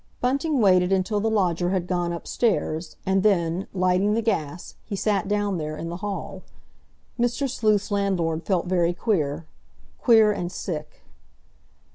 Bunting waited until the lodger had gone upstairs, and then, lighting the gas, he sat down there, in the hall. Mr. Sleuth's landlord felt very queer—queer and sick.